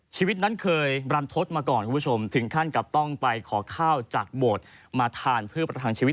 ชีวิตนั้นเคยรันทศมาก่อนคุณผู้ชมถึงขั้นกับต้องไปขอข้าวจากโบสถ์มาทานเพื่อประทังชีวิต